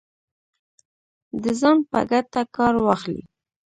د ځان په ګټه کار واخلي